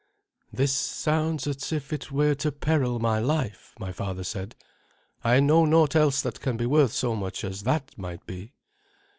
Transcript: "This sounds as if I were to peril my life," my father said. "I know naught else that can be worth so much as that might be."